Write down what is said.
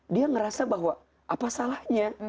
dia ngerasa bahwa apa salahnya